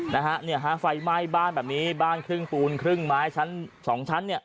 นะฮะเนี่ยฮะไฟไหม้บ้านแบบนี้บ้านครึ่งปูนครึ่งไม้ชั้นสองชั้นเนี่ย